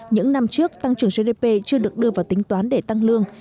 những năm trước tăng trưởng gdp chưa được đưa vào tính toán để tăng lương